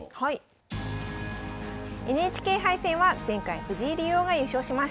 ＮＨＫ杯戦は前回藤井竜王が優勝しました。